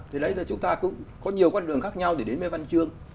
thì đấy là chúng ta cũng có nhiều con đường khác nhau để đến với văn chương